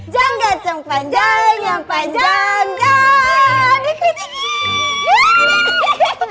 janggang yang panjang yang panjang yang panjang